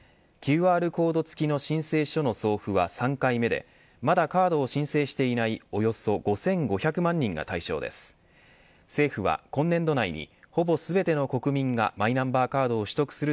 ＱＲコード付きの申請書の送付は３回目でまだカードを申請していないおよそ５５００万人が対象です。